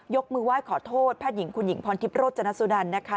มือไหว้ขอโทษแพทย์หญิงคุณหญิงพรทิพย์โรจนสุนันนะคะ